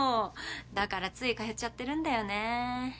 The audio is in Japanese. だからつい通っちゃってるんだよね。